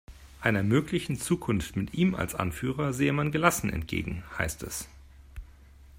Einer möglichen Zukunft mit ihm als Anführer sehe man gelassen entgegen, heißt es.